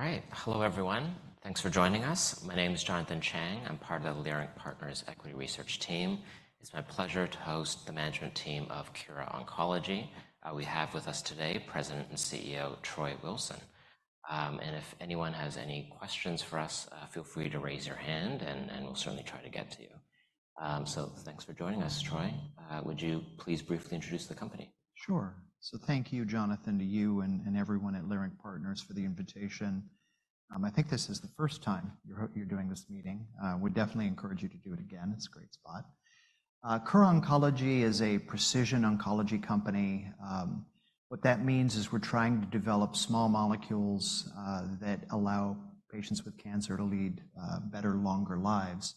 All right, hello everyone. Thanks for joining us. My name is Jonathan Chang. I'm part of the Leerink Partners Equity Research Team. It's my pleasure to host the management team of Kura Oncology. We have with us today President and CEO Troy Wilson, and if anyone has any questions for us, feel free to raise your hand and we'll certainly try to get to you. So thanks for joining us, Troy. Would you please briefly introduce the company? Sure. So thank you, Jonathan, to you and everyone at Leerink Partners for the invitation. I think this is the first time you're doing this meeting. We definitely encourage you to do it again. It's a great spot. Kura Oncology is a precision oncology company. What that means is we're trying to develop small molecules that allow patients with cancer to lead better, longer lives.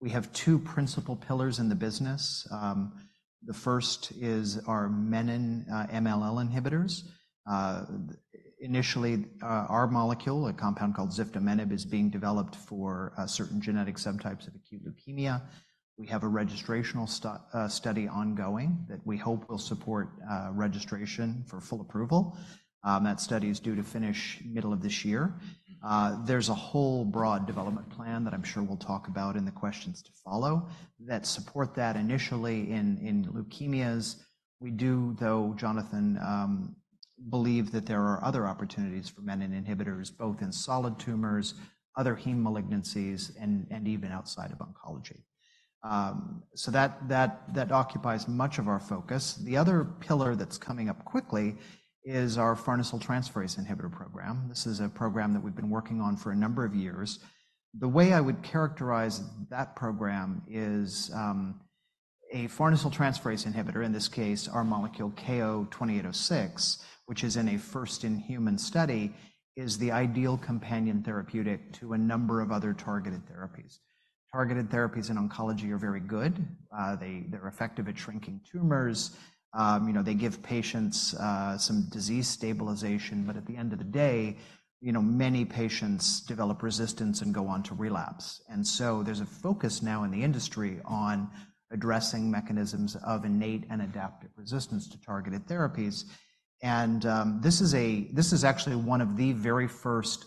We have two principal pillars in the business. The first is our menin-MLL inhibitors. Initially, our molecule, a compound called ziftomenib, is being developed for certain genetic subtypes of acute leukemia. We have a registration study ongoing that we hope will support registration for full approval. That study is due to finish middle of this year. There's a whole broad development plan that I'm sure we'll talk about in the questions to follow that support that initially in leukemias. We do, though, Jonathan, believe that there are other opportunities for menin inhibitors both in solid tumors, other heme malignancies, and even outside of oncology. So that occupies much of our focus. The other pillar that's coming up quickly is our farnesyl transferase inhibitor program. This is a program that we've been working on for a number of years. The way I would characterize that program is a farnesyl transferase inhibitor, in this case our molecule KO-2806, which is in a first-in-human study, is the ideal companion therapeutic to a number of other targeted therapies. Targeted therapies in oncology are very good. They're effective at shrinking tumors. They give patients some disease stabilization. But at the end of the day, many patients develop resistance and go on to relapse. And so there's a focus now in the industry on addressing mechanisms of innate and adaptive resistance to targeted therapies. This is actually one of the very first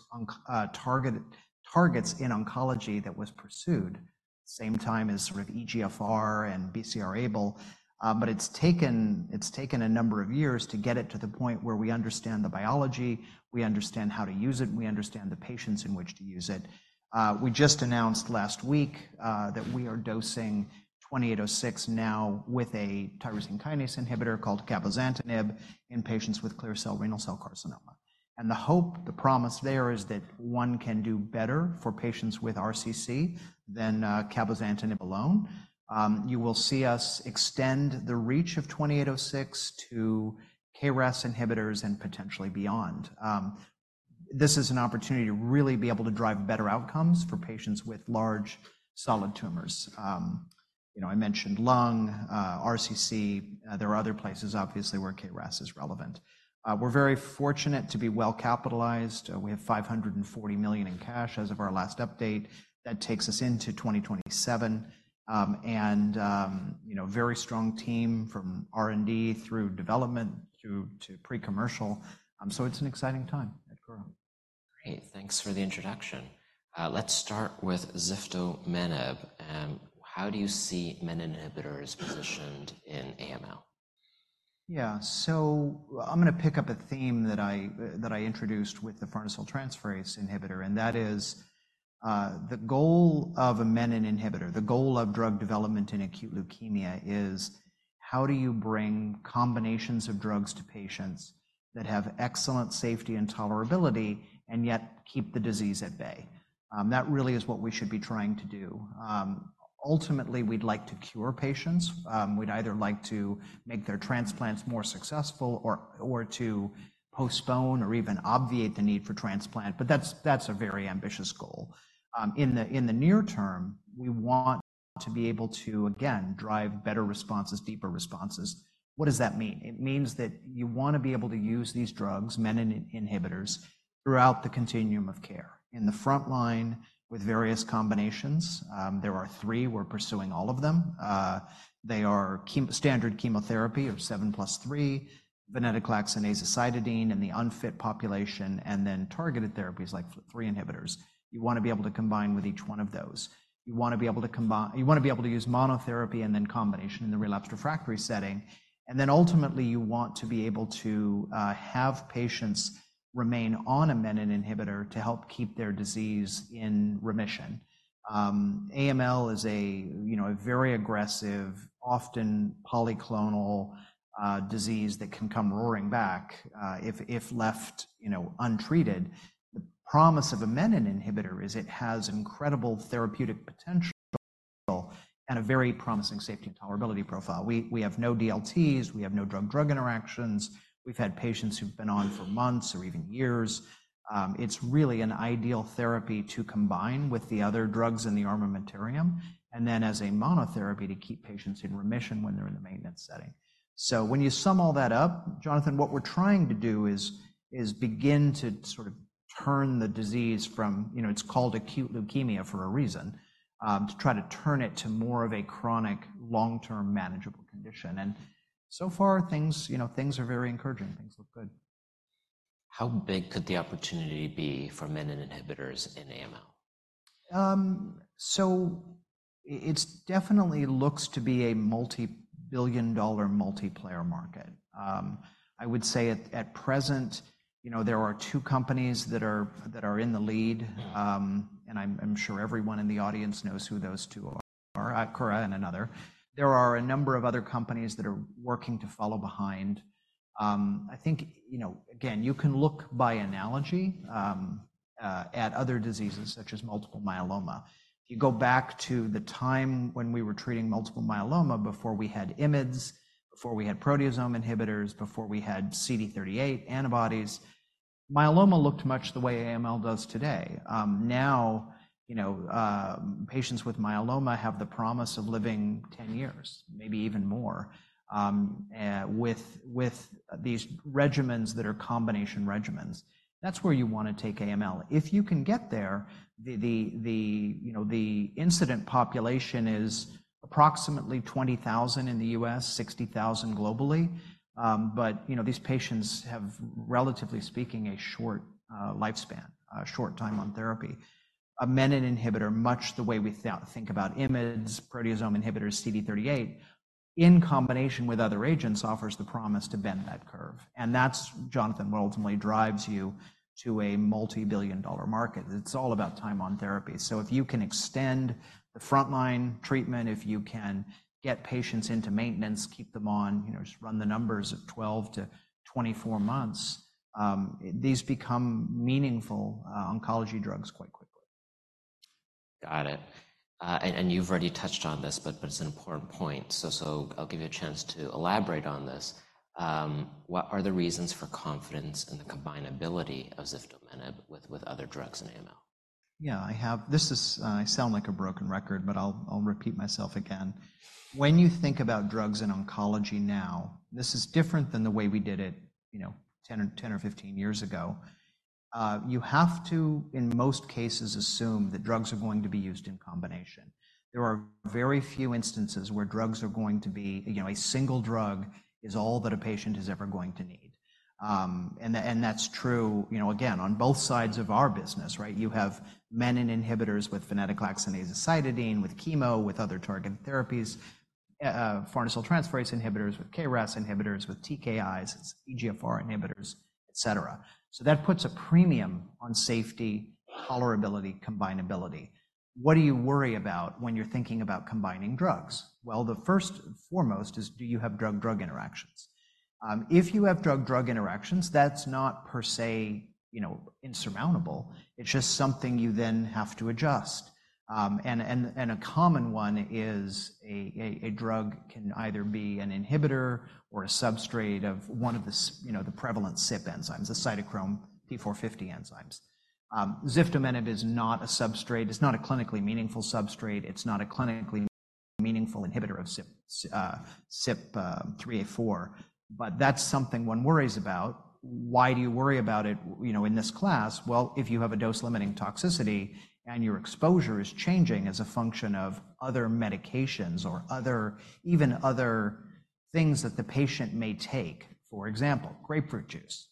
targets in oncology that was pursued, same time as sort of EGFR and BCR-ABL. But it's taken a number of years to get it to the point where we understand the biology, we understand how to use it, and we understand the patients in which to use it. We just announced last week that we are dosing 2806 now with a tyrosine kinase inhibitor called cabozantinib in patients with clear-cell renal cell carcinoma. The hope, the promise there is that one can do better for patients with RCC than cabozantinib alone. You will see us extend the reach of 2806 to KRAS inhibitors and potentially beyond. This is an opportunity to really be able to drive better outcomes for patients with large solid tumors. I mentioned lung, RCC. There are other places, obviously, where KRAS is relevant. We're very fortunate to be well capitalized. We have $540 million in cash as of our last update. That takes us into 2027. Very strong team from R&D through development to pre-commercial. It's an exciting time at Kura. Great. Thanks for the introduction. Let's start with ziftomenib. How do you see menin inhibitors positioned in AML? Yeah. So I'm going to pick up a theme that I introduced with the farnesyl transferase inhibitor. And that is the goal of a menin inhibitor, the goal of drug development in acute leukemia, is how do you bring combinations of drugs to patients that have excellent safety and tolerability and yet keep the disease at bay. That really is what we should be trying to do. Ultimately, we'd like to cure patients. We'd either like to make their transplants more successful or to postpone or even obviate the need for transplant. But that's a very ambitious goal. In the near term, we want to be able to, again, drive better responses, deeper responses. What does that mean? It means that you want to be able to use these drugs, menin inhibitors, throughout the continuum of care, in the front line with various combinations. There are three. We're pursuing all of them. They are standard chemotherapy of 7+3, venetoclax and azacitidine in the unfit population, and then targeted therapies like FLT3 inhibitors. You want to be able to combine with each one of those. You want to be able to combine you want to be able to use monotherapy and then combination in the relapse refractory setting. And then ultimately, you want to be able to have patients remain on a menin inhibitor to help keep their disease in remission. AML is a very aggressive, often polyclonal disease that can come roaring back if left untreated. The promise of a menin inhibitor is it has incredible therapeutic potential and a very promising safety and tolerability profile. We have no DLTs. We have no drug-drug interactions. We've had patients who've been on for months or even years. It's really an ideal therapy to combine with the other drugs in the armamentarium and then as a monotherapy to keep patients in remission when they're in the maintenance setting. So when you sum all that up, Jonathan, what we're trying to do is begin to sort of turn the disease from it's called acute leukemia for a reason to try to turn it to more of a chronic, long-term, manageable condition. And so far, things are very encouraging. Things look good. How big could the opportunity be for menin inhibitors in AML? So it definitely looks to be a multi-billion-dollar multiplayer market. I would say at present, there are two companies that are in the lead. And I'm sure everyone in the audience knows who those two are: Kura and another. There are a number of other companies that are working to follow behind. I think, again, you can look by analogy at other diseases such as multiple myeloma. If you go back to the time when we were treating multiple myeloma, before we had IMIDs, before we had proteasome inhibitors, before we had CD38 antibodies, myeloma looked much the way AML does today. Now patients with myeloma have the promise of living 10 years, maybe even more, with these regimens that are combination regimens. That's where you want to take AML. If you can get there, the incidence population is approximately 20,000 in the U.S., 60,000 globally. But these patients have, relatively speaking, a short lifespan, a short time on therapy. A menin inhibitor, much the way we think about IMIDs, proteasome inhibitors, CD38, in combination with other agents offers the promise to bend that curve. And that's, Jonathan, what ultimately drives you to a multi-billion-dollar market. It's all about time on therapy. So if you can extend the front line treatment, if you can get patients into maintenance, keep them on, just run the numbers of 12-24 months, these become meaningful oncology drugs quite quickly. Got it. And you've already touched on this, but it's an important point. So I'll give you a chance to elaborate on this. What are the reasons for confidence in the combinability of ziftomenib with other drugs in AML? Yeah. I have this is I sound like a broken record, but I'll repeat myself again. When you think about drugs in oncology now, this is different than the way we did it 10 or 15 years ago. You have to, in most cases, assume that drugs are going to be used in combination. There are very few instances where drugs are going to be a single drug is all that a patient is ever going to need. And that's true, again, on both sides of our business. You have menin inhibitors with venetoclax and azacitidine, with chemo, with other targeted therapies, farnesyl transferase inhibitors with KRAS inhibitors, with TKIs, EGFR inhibitors, et cetera. So that puts a premium on safety, tolerability, combinability. What do you worry about when you're thinking about combining drugs? Well, the first and foremost is do you have drug-drug interactions? If you have drug-drug interactions, that's not per se insurmountable. It's just something you then have to adjust. A common one is a drug can either be an inhibitor or a substrate of one of the prevalent CYP enzymes, the cytochrome P450 enzymes. Ziftomenib is not a substrate. It's not a clinically meaningful substrate. It's not a clinically meaningful inhibitor of CYP3A4. But that's something one worries about. Why do you worry about it in this class? Well, if you have a dose-limiting toxicity and your exposure is changing as a function of other medications or even other things that the patient may take, for example, grapefruit juice,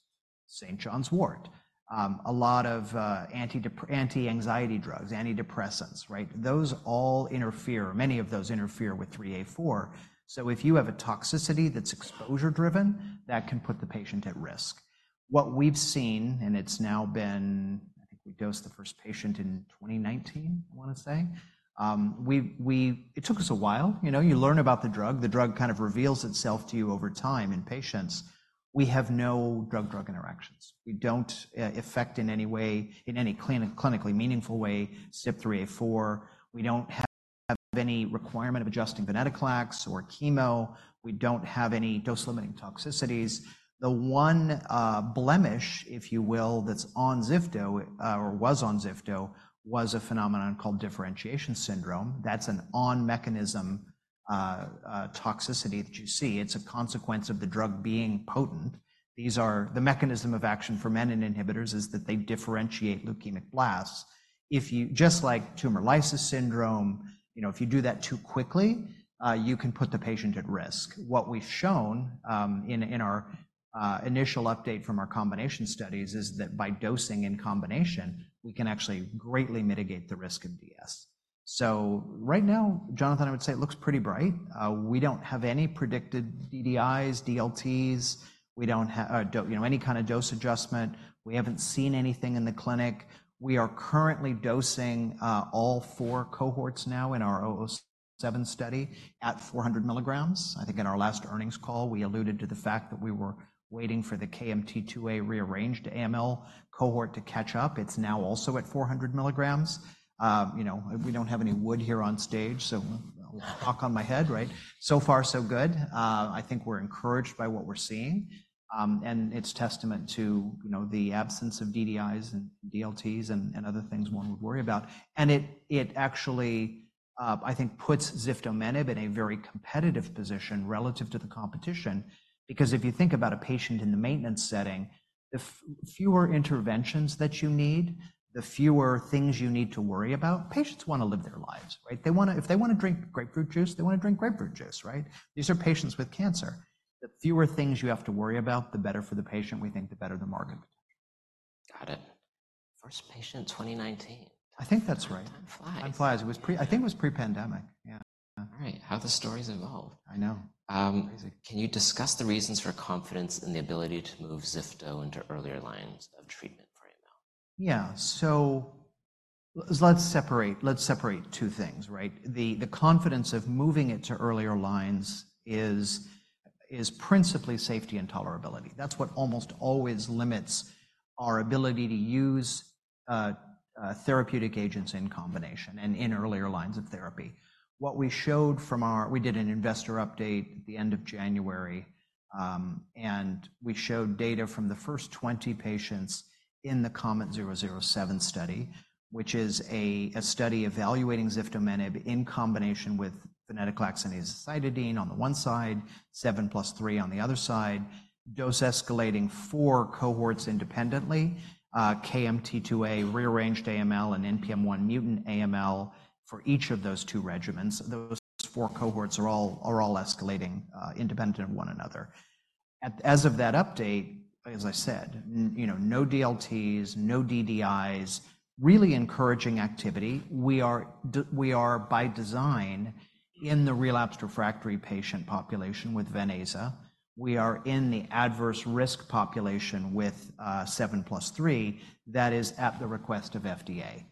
St. John's wort, a lot of anti-anxiety drugs, antidepressants, those all interfere, many of those interfere with 3A4. So if you have a toxicity that's exposure-driven, that can put the patient at risk. What we've seen, and it's now been I think we dosed the first patient in 2019, I want to say. It took us a while. You learn about the drug. The drug kind of reveals itself to you over time in patients. We have no drug-drug interactions. We don't affect in any way, in any clinically meaningful way, CYP3A4. We don't have any requirement of adjusting venetoclax or chemo. We don't have any dose-limiting toxicities. The one blemish, if you will, that's on ziftomenib, or was on ziftomenib, was a phenomenon called differentiation syndrome. That's an on-mechanism toxicity that you see. It's a consequence of the drug being potent. The mechanism of action for menin inhibitors is that they differentiate leukemic blasts. Just like tumor lysis syndrome, if you do that too quickly, you can put the patient at risk. What we've shown in our initial update from our combination studies is that by dosing in combination, we can actually greatly mitigate the risk of DS. So right now, Jonathan, I would say it looks pretty bright. We don't have any predicted DDIs, DLTs. We don't have any kind of dose adjustment. We haven't seen anything in the clinic. We are currently dosing all 4 cohorts now in our 007 study at 400 milligrams. I think in our last earnings call, we alluded to the fact that we were waiting for the KMT2A-rearranged AML cohort to catch up. It's now also at 400 milligrams. We don't have any wood here on stage. So I'll talk on my head. So far, so good. I think we're encouraged by what we're seeing. And it's testament to the absence of DDIs and DLTs and other things one would worry about. It actually, I think, puts ziftomenib in a very competitive position relative to the competition. Because if you think about a patient in the maintenance setting, the fewer interventions that you need, the fewer things you need to worry about, patients want to live their lives. If they want to drink grapefruit juice, they want to drink grapefruit juice. These are patients with cancer. The fewer things you have to worry about, the better for the patient, we think, the better the market potential. Got it. First patient 2019. I think that's right. Time flies. Time flies. I think it was pre-pandemic. Yeah. All right. How have the stories evolved? I know. Can you discuss the reasons for confidence in the ability to move ziftomenib into earlier lines of treatment for AML? Yeah. So let's separate two things. The confidence of moving it to earlier lines is principally safety and tolerability. That's what almost always limits our ability to use therapeutic agents in combination and in earlier lines of therapy. We did an investor update at the end of January. We showed data from the first 20 patients in the KOMET-007 study, which is a study evaluating ziftomenib in combination with venetoclax and azacitidine on the one side, 7+3 on the other side, dose escalating four cohorts independently, KMT2A-rearranged AML, and NPM1-mutant AML for each of those two regimens. Those four cohorts are all escalating independent of one another. As of that update, as I said, no DLTs, no DDIs, really encouraging activity. We are, by design, in the relapsed/refractory patient population with ven/aza. We are in the adverse risk population with 7+3 that is at the request of FDA.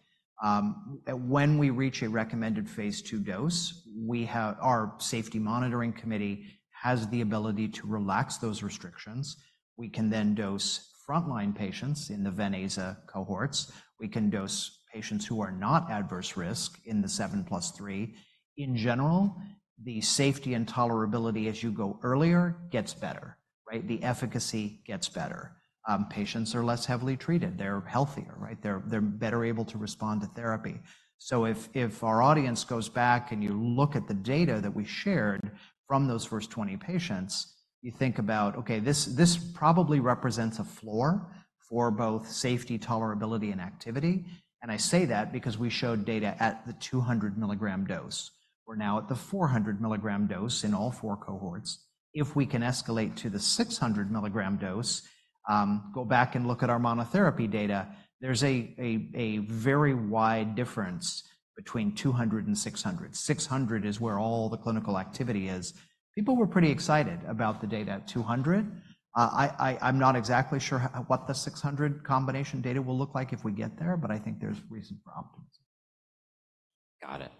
When we reach a recommended phase II dose, our safety monitoring committee has the ability to relax those restrictions. We can then dose front line patients in the ven/aza cohorts. We can dose patients who are not adverse risk in the 7+3. In general, the safety and tolerability, as you go earlier, gets better. The efficacy gets better. Patients are less heavily treated. They're healthier. They're better able to respond to therapy. So if our audience goes back and you look at the data that we shared from those first 20 patients, you think about, OK, this probably represents a floor for both safety, tolerability, and activity. And I say that because we showed data at the 200 mg dose. We're now at the 400 milligram dose in all four cohorts. If we can escalate to the 600 milligram dose, go back and look at our monotherapy data, there's a very wide difference between 200 and 600. 600 is where all the clinical activity is. People were pretty excited about the data at 200. I'm not exactly sure what the 600 combination data will look like if we get there. But I think there's reason for optimism. Got it.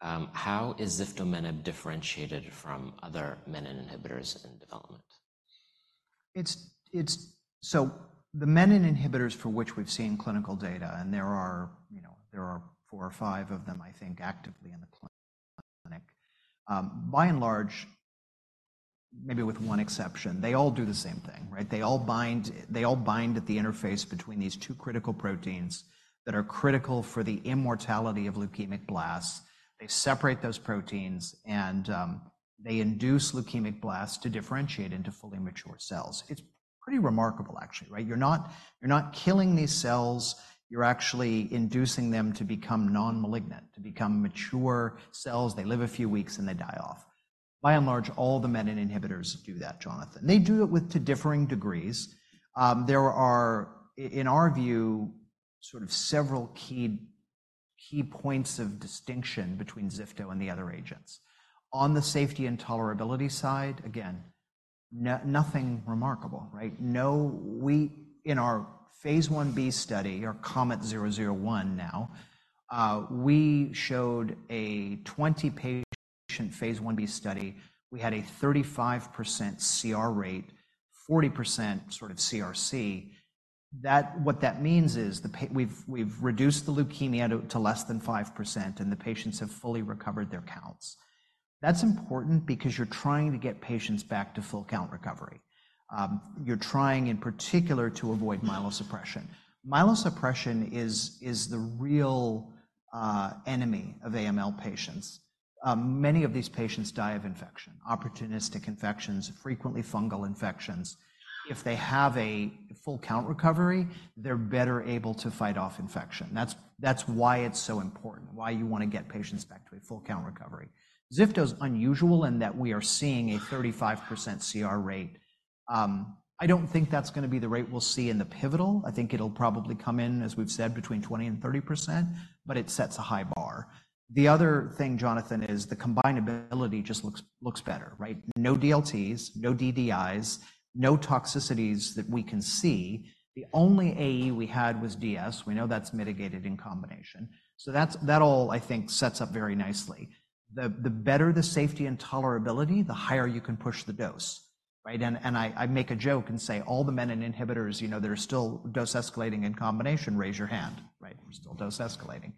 How is ziftomenib differentiated from other menin inhibitors in development? So the menin inhibitors for which we've seen clinical data and there are four or five of them, I think, actively in the clinic, by and large, maybe with one exception, they all do the same thing. They all bind at the interface between these two critical proteins that are critical for the immortality of leukemic blasts. They separate those proteins. And they induce leukemic blasts to differentiate into fully mature cells. It's pretty remarkable, actually. You're not killing these cells. You're actually inducing them to become non-malignant, to become mature cells. They live a few weeks, and they die off. By and large, all the menin inhibitors do that, Jonathan. They do it to differing degrees. There are, in our view, sort of several key points of distinction between ziftomenib and the other agents. On the safety and tolerability side, again, nothing remarkable. In our phase 1b study, our KOMET-001 now, we showed a 20-patient phase 1b study. We had a 35% CR rate, 40% sort of CRC. What that means is we've reduced the leukemia to less than 5%. The patients have fully recovered their counts. That's important because you're trying to get patients back to full-count recovery. You're trying, in particular, to avoid myelosuppression. Myelosuppression is the real enemy of AML patients. Many of these patients die of infection, opportunistic infections, frequently fungal infections. If they have a full-count recovery, they're better able to fight off infection. That's why it's so important, why you want to get patients back to a full-count recovery. Ziftomenib is unusual in that we are seeing a 35% CR rate. I don't think that's going to be the rate we'll see in the pivotal. I think it'll probably come in, as we've said, between 20%-30%. But it sets a high bar. The other thing, Jonathan, is the combinability just looks better. No DLTs, no DDIs, no toxicities that we can see. The only AE we had was DS. We know that's mitigated in combination. So that all, I think, sets up very nicely. The better the safety and tolerability, the higher you can push the dose. And I make a joke and say, all the menin inhibitors, there's still dose escalating in combination. Raise your hand. We're still dose escalating.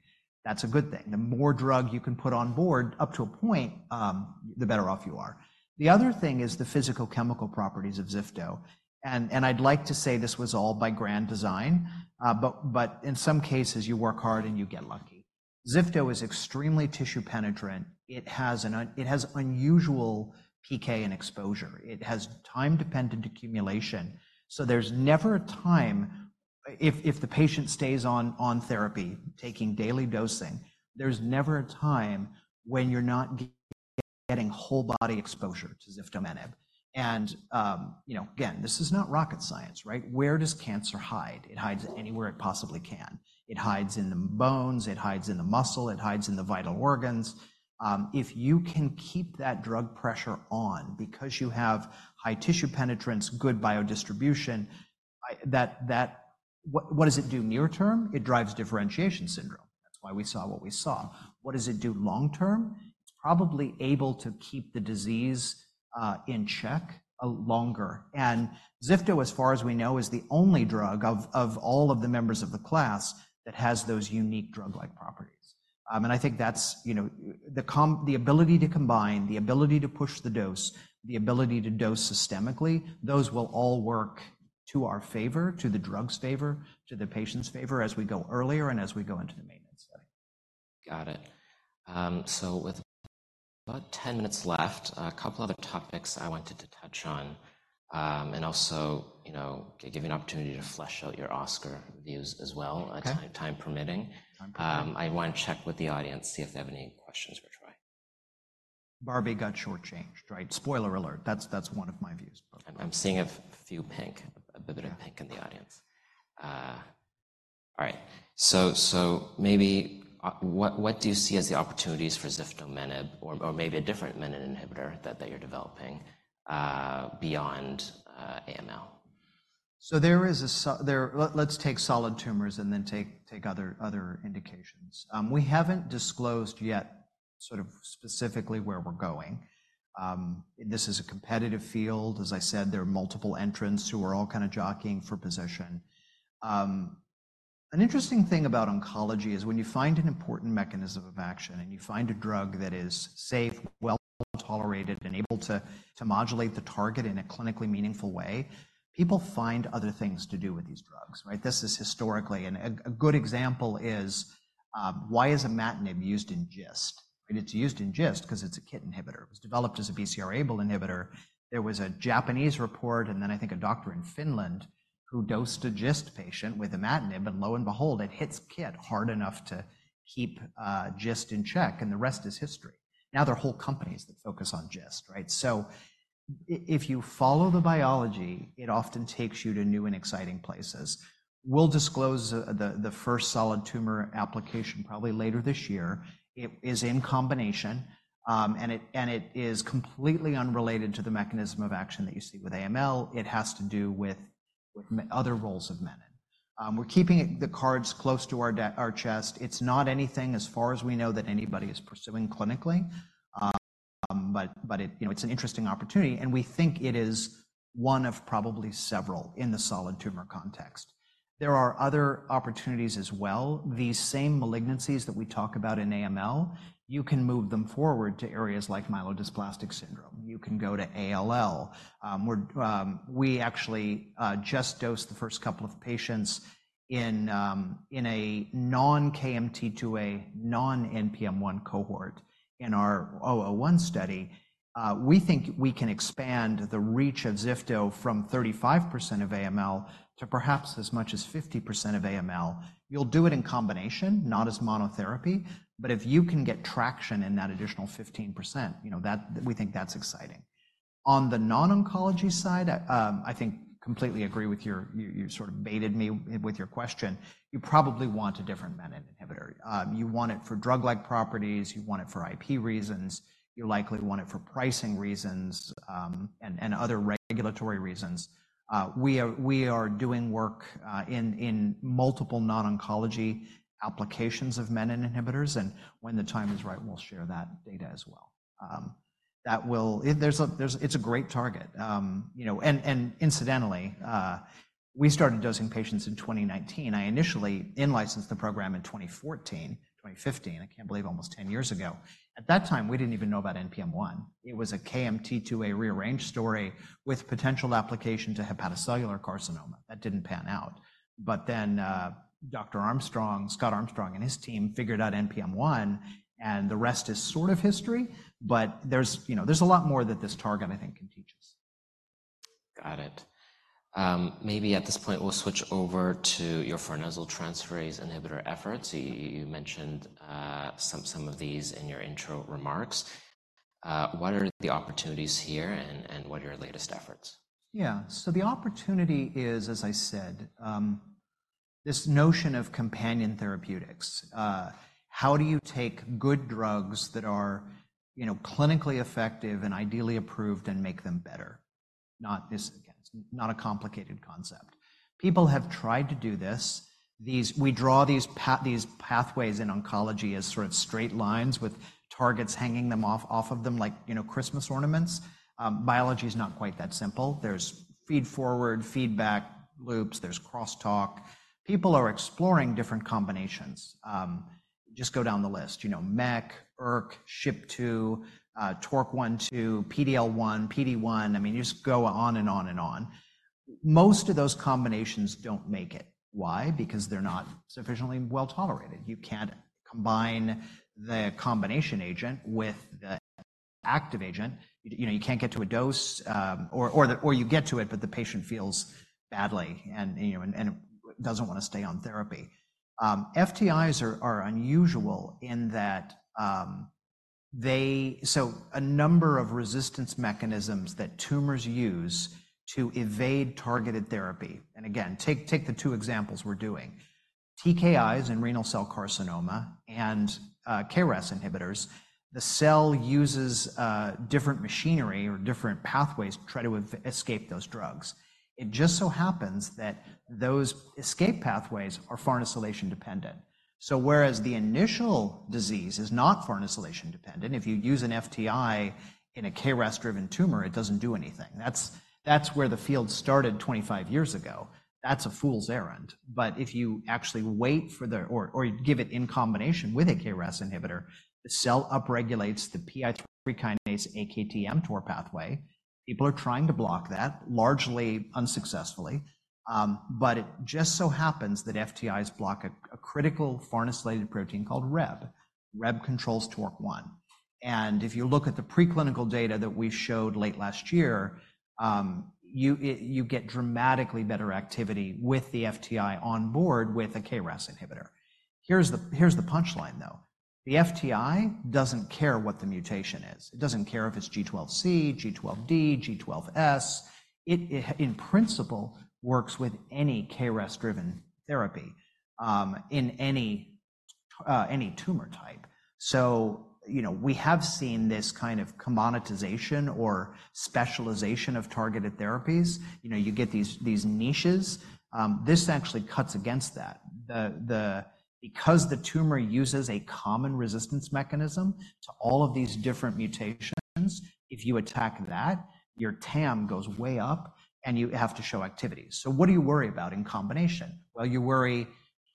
That's a good thing. The more drug you can put on board, up to a point, the better off you are. The other thing is the physicochemical properties of ziftomenib. And I'd like to say this was all by grand design. But in some cases, you work hard, and you get lucky. ziftomenib is extremely tissue penetrant. It has unusual PK and exposure. It has time-dependent accumulation. So there's never a time if the patient stays on therapy, taking daily dosing, there's never a time when you're not getting whole-body exposure to ziftomenib. And again, this is not rocket science. Where does cancer hide? It hides anywhere it possibly can. It hides in the bones. It hides in the muscle. It hides in the vital organs. If you can keep that drug pressure on because you have high tissue penetrance, good biodistribution, what does it do near term? It drives differentiation syndrome. That's why we saw what we saw. What does it do long term? It's probably able to keep the disease in check longer. And ziftomenib, as far as we know, is the only drug of all of the members of the class that has those unique drug-like properties. I think that's the ability to combine, the ability to push the dose, the ability to dose systemically, those will all work to our favor, to the drug's favor, to the patient's favor as we go earlier and as we go into the maintenance study. Got it. So with about 10 minutes left, a couple of other topics I wanted to touch on and also give you an opportunity to flesh out your Oscar views as well, time permitting. I want to check with the audience, see if they have any questions for Troy. Barbie got short-changed. Spoiler alert. That's one of my views. I'm seeing a few pink, a bit of pink in the audience. All right. So maybe what do you see as the opportunities for ziftomenib or maybe a different menin inhibitor that you're developing beyond AML? So let's take solid tumors and then take other indications. We haven't disclosed yet sort of specifically where we're going. This is a competitive field. As I said, there are multiple entrants who are all kind of jockeying for position. An interesting thing about oncology is when you find an important mechanism of action, and you find a drug that is safe, well-tolerated, and able to modulate the target in a clinically meaningful way, people find other things to do with these drugs. This is historically a good example: why is imatinib used in GIST? It's used in GIST because it's a KIT inhibitor. It was developed as a BCR-ABL inhibitor. There was a Japanese report and then, I think, a doctor in Finland who dosed a GIST patient with imatinib. And lo and behold, it hits KIT hard enough to keep GIST in check. And the rest is history. Now, there are whole companies that focus on GIST. So if you follow the biology, it often takes you to new and exciting places. We'll disclose the first solid tumor application probably later this year. It is in combination. And it is completely unrelated to the mechanism of action that you see with AML. It has to do with other roles of menin. We're keeping the cards close to our chest. It's not anything, as far as we know, that anybody is pursuing clinically. But it's an interesting opportunity. And we think it is one of probably several in the solid tumor context. There are other opportunities as well. These same malignancies that we talk about in AML, you can move them forward to areas like myelodysplastic syndrome. You can go to ALL. We actually just dosed the first couple of patients in a non-KMT2A, non-NPM1 cohort in our 001 study. We think we can expand the reach of ziftomenib from 35% of AML to perhaps as much as 50% of AML. You'll do it in combination, not as monotherapy. But if you can get traction in that additional 15%, we think that's exciting. On the non-oncology side, I think completely agree with your sort of baited me with your question. You probably want a different menin inhibitor. You want it for drug-like properties. You want it for IP reasons. You likely want it for pricing reasons and other regulatory reasons. We are doing work in multiple non-oncology applications of menin inhibitors. And when the time is right, we'll share that data as well. It's a great target. And incidentally, we started dosing patients in 2019. I initially in-licensed the program in 2014, 2015. I can't believe almost 10 years ago. At that time, we didn't even know about NPM1. It was a KMT2A rearrangement story with potential application to hepatocellular carcinoma. That didn't pan out. But then Dr. Armstrong, Scott Armstrong, and his team figured out NPM1. And the rest is sort of history. But there's a lot more that this target, I think, can teach us. Got it. Maybe at this point, we'll switch over to your farnesyl transferase inhibitor efforts. You mentioned some of these in your intro remarks. What are the opportunities here? And what are your latest efforts? Yeah. So the opportunity is, as I said, this notion of companion therapeutics. How do you take good drugs that are clinically effective and ideally approved and make them better? Again, it's not a complicated concept. People have tried to do this. We draw these pathways in oncology as sort of straight lines with targets hanging off of them like Christmas ornaments. Biology is not quite that simple. There's feed-forward, feedback loops. There's crosstalk. People are exploring different combinations. Just go down the list: MEK, ERK, SHP2, TORC1/2, PDL1, PD1. I mean, you just go on and on and on. Most of those combinations don't make it. Why? Because they're not sufficiently well-tolerated. You can't combine the combination agent with the active agent. You can't get to a dose. Or you get to it, but the patient feels badly and doesn't want to stay on therapy. FTIs are unusual in that so a number of resistance mechanisms that tumors use to evade targeted therapy and again, take the two examples we're doing TKIs in renal cell carcinoma and KRAS inhibitors, the cell uses different machinery or different pathways to try to escape those drugs. It just so happens that those escape pathways are farnesylation dependent. So whereas the initial disease is not farnesylation dependent, if you use an FTI in a KRAS-driven tumor, it doesn't do anything. That's where the field started 25 years ago. That's a fool's errand. But if you actually wait for the or give it in combination with a KRAS inhibitor, the cell upregulates the PI3 kinase/AKT/mTOR pathway. People are trying to block that, largely unsuccessfully. But it just so happens that FTIs block a critical farnesylated protein called RHEB. RHEB controls mTORC1. And if you look at the preclinical data that we showed late last year, you get dramatically better activity with the FTI on board with a KRAS inhibitor. Here's the punchline, though. The FTI doesn't care what the mutation is. It doesn't care if it's G12C, G12D, G12S. It, in principle, works with any KRAS-driven therapy in any tumor type. So we have seen this kind of commoditization or specialization of targeted therapies. You get these niches. This actually cuts against that. Because the tumor uses a common resistance mechanism to all of these different mutations, if you attack that, your TAM goes way up. And you have to show activity. So what do you worry about in combination? Well, you worry,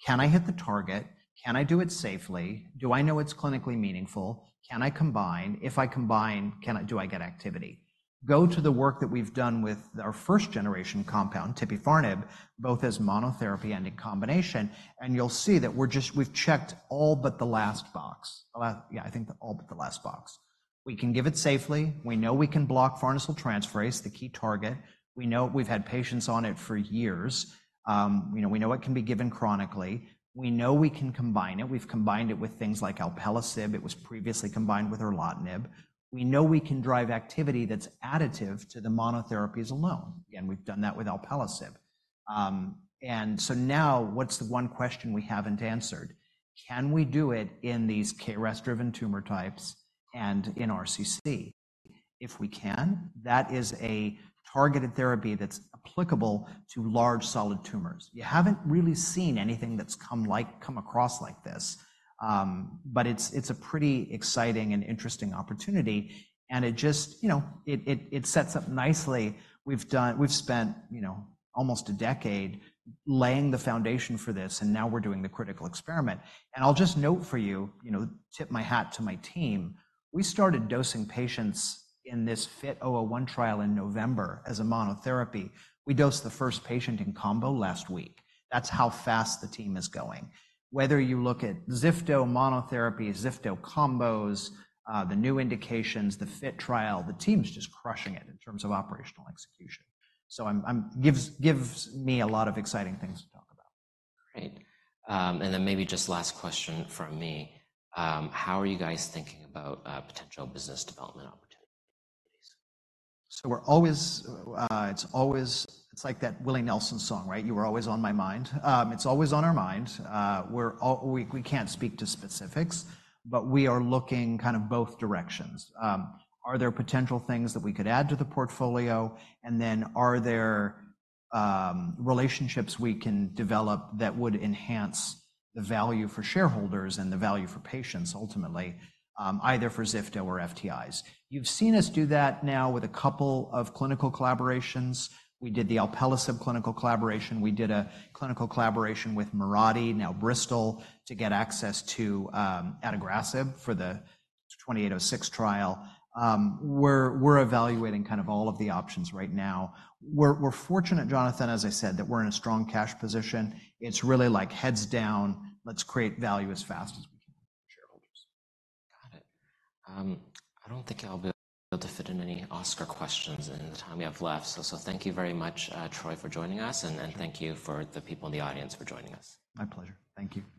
can I hit the target? Can I do it safely? Do I know it's clinically meaningful? Can I combine? If I combine, do I get activity? Go to the work that we've done with our first-generation compound, tipifarnib, both as monotherapy and in combination. You'll see that we've checked all but the last box. Yeah, I think all but the last box. We can give it safely. We know we can block farnesyl transferase, the key target. We know we've had patients on it for years. We know it can be given chronically. We know we can combine it. We've combined it with things like alpelisib. It was previously combined with erlotinib. We know we can drive activity that's additive to the monotherapies alone. Again, we've done that with alpelisib. So now, what's the one question we haven't answered? Can we do it in these KRAS-driven tumor types and in RCC? If we can, that is a targeted therapy that's applicable to large solid tumors. You haven't really seen anything that's come across like this. But it's a pretty exciting and interesting opportunity. It sets up nicely. We've spent almost a decade laying the foundation for this. Now, we're doing the critical experiment. I'll just note for you, tip my hat to my team. We started dosing patients in this FIT-001 trial in November as a monotherapy. We dosed the first patient in combo last week. That's how fast the team is going. Whether you look at ziftomenib monotherapy, ziftomenib combos, the new indications, the FTI trial, the team's just crushing it in terms of operational execution. So it gives me a lot of exciting things to talk about. Great. And then maybe just last question from me. How are you guys thinking about potential business development opportunities? So it's like that Willie Nelson song, right? You were always on my mind. It's always on our mind. We can't speak to specifics. But we are looking kind of both directions. Are there potential things that we could add to the portfolio? And then are there relationships we can develop that would enhance the value for shareholders and the value for patients, ultimately, either for ziftomenib or FTIs? You've seen us do that now with a couple of clinical collaborations. We did the alpelisib clinical collaboration. We did a clinical collaboration with Mirati, now Bristol, to get access to adagrasib for the KO-2806 trial. We're evaluating kind of all of the options right now. We're fortunate, Jonathan, as I said, that we're in a strong cash position. It's really like heads down. Let's create value as fast as we can for shareholders. Got it. I don't think I'll be able to fit in any Oscar questions in the time we have left. So thank you very much, Troy, for joining us. Thank you for the people in the audience for joining us. My pleasure. Thank you.